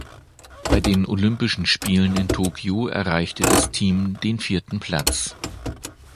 Bei den Olympischen Spielen in Tokio erreichte das Team den vierten Platz.